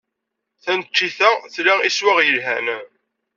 Taneččit-a tla iswaɣ yelhan.